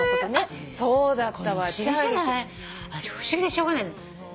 不思議でしょうがない。